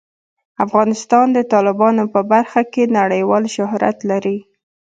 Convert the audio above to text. افغانستان د تالابونه په برخه کې نړیوال شهرت لري.